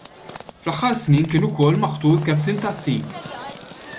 Fl-aħħar snin kien ukoll maħtur captain tat-tim.